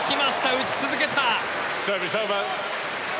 打ち続けた。